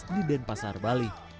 di denpasar bali